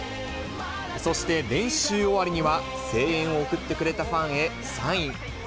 そして練習終わりには、声援を送ってくれたファンへサイン。